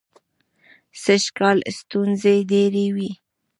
سږکال ستونزې ډېرې وې.